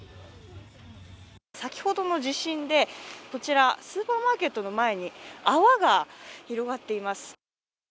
先ほどの地震でこちらスーパーマーケットの前に泡が広がっています。